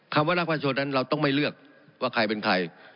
ว่ารักประชาชนนั้นเราต้องไม่เลือกว่าใครเป็นใคร